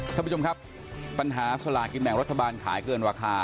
ท่านประธานปัญหาสลากินแบ่งรัฐบาลขายเกินราคา